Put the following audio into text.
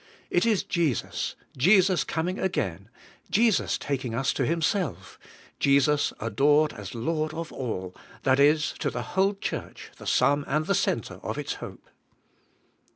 It is Jesus, Jesus coming again, Jesus taking us to Himself, Jesus adored as Lord of all, that is to the whole Church the sum and the centre of its hope.